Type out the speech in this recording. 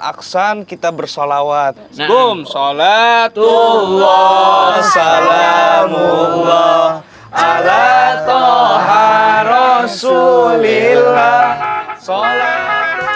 aksan kita bersolawat boom salatullah salamullah ala ta'ha rasulillah sholatulillah